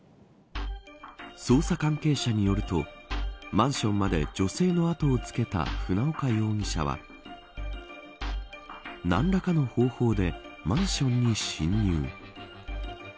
捜査関係者によるとマンションまで女性の後をつけた船岡容疑者は何らかの方法でマンションに侵入。